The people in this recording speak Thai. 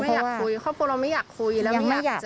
ไม่อยากคุยเขาพวกเราไม่อยากคุยแล้วไม่อยากเจอ